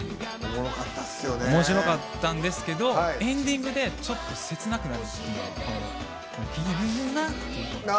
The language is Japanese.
おもしろかったんですけどエンディングで、ちょっと切なくなるところが。